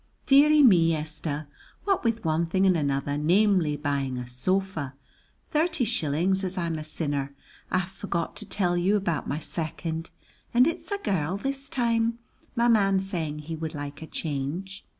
"Deary me, Esther, what with one thing and another, namely buying a sofa, thirty shillings as I'm a sinner, I have forgot to tell you about my second, and it's a girl this time, my man saying he would like a change.